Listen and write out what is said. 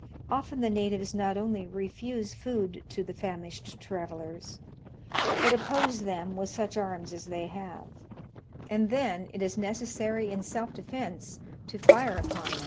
Often the natives not only refuse food to the famished travelers, but oppose them with such arms as they have; and theurit is necessary, in self defence, to fire upon them.